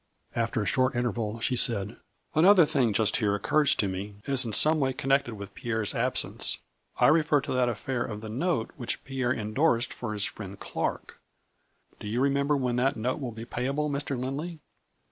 After a short interval, she said :" Another thing just here occurs to me as in some way connected with Pierre's absence. I refer to that affair of the note which Pierre in A FLURRY IN DIAMONDS. 155 dorsed for his friend Clark. Do you remember when that note will be payable, Mr. Lindley